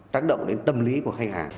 tác động đến tâm lý của khách hàng